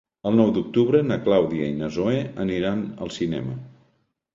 El nou d'octubre na Clàudia i na Zoè aniran al cinema.